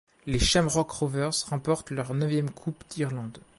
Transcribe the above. Les Shamrock Rovers remportent leur neuvième Coupe d'Irlande.